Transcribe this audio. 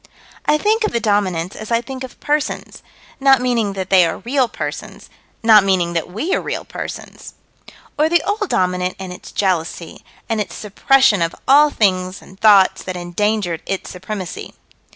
I think of the Dominants as I think of persons not meaning that they are real persons not meaning that we are real persons Or the Old Dominant and its jealousy, and its suppression of all things and thoughts that endangered its supremacy.